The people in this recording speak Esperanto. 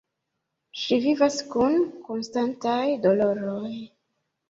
Ŝi vivas kun konstantaj doloroj.